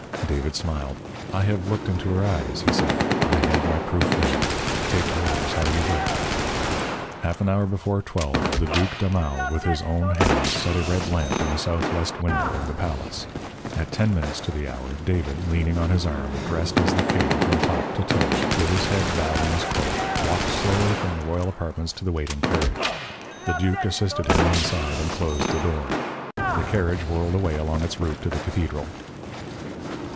David smiled. "I have looked into her eyes," he said. "I had my proof there. Take yours how you will." Half an hour before twelve the Duke d'Aumale, with his own hands, set a red lamp in a southwest window of the palace. At ten minutes to the hour, David, leaning on his arm, dressed as the king, from top to toe, with his head bowed in his cloak, walked slowly from the royal apartments to the waiting carriage. The duke assisted him inside and closed the door. The carriage whirled away along its route to the cathedral.